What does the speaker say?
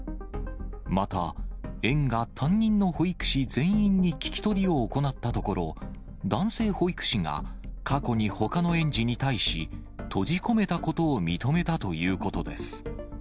また、園が担任の保育士全員に聞き取りを行ったところ、男性保育士が過去にほかの園児に対し、閉じ込めたことを認めたということです。